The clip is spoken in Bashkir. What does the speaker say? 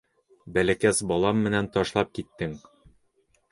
Бәләкәс балам менән ташлап киттең.